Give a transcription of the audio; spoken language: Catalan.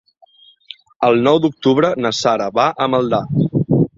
El nou d'octubre na Sara va a Maldà.